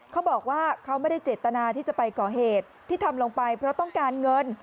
เขาบอกว่าเขาไม่ได้เจตนาที่จะไปก่อเหตุที่ทำลงไปเพราะต้องการเงิน